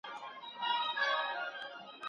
ژوند دوام لري.